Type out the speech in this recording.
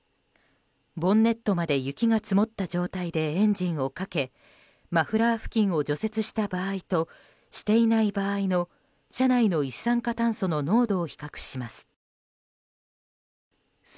ボンネットまで雪が積もった状態でエンジンをかけマフラー付近を除雪した場合としていない場合の車内の一酸化炭素の濃度を比較します。